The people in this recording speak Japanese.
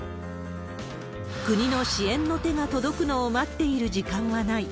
国の支援の手が届くのを待っている時間はない。